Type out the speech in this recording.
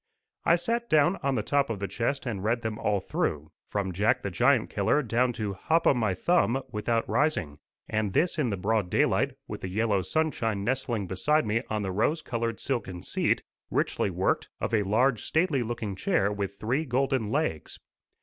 I sat down on the top of the chest and read them all through, from Jack the Giant killer down to Hop o' my Thumb without rising, and this in the broad daylight, with the yellow sunshine nestling beside me on the rose coloured silken seat, richly worked, of a large stately looking chair with three golden legs.